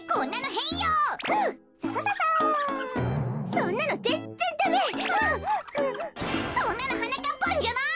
そんなのはなかっぱんじゃない！